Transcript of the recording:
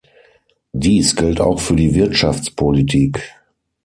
Dies gilt auch für die Wirtschaftspolitik.